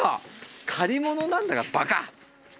借り物なんだからバカ！